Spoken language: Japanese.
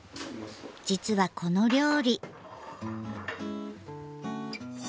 実はこの料理。